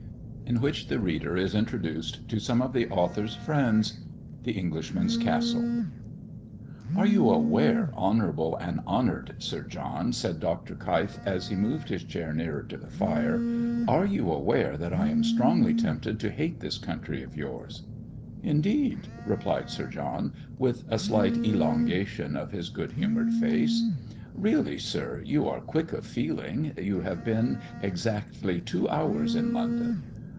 IN WHICH THE READER IS INTRODUCED TO SOME OF THE AUTHOR'S FRIENDS. THE ENGLISHMAN'S CASTLE. "Are you aware, honorable and honored Sir John," said Dr. Keif, as he moved his chair nearer to the fire, "are you aware that I am strongly tempted to hate this country of yours?" "Indeed!" replied Sir John, with a slight elongation of his good humoured face. "Really, Sir, you are quick of feeling. You have been exactly two hours in London.